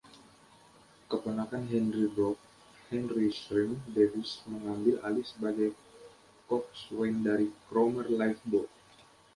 Keponakan Henry Blogg, Henry "Shrimp" Davies mengambil alih sebagai coxswain dari Cromer Lifeboat.